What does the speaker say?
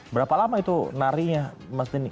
berapa lama itu nari nya mas denny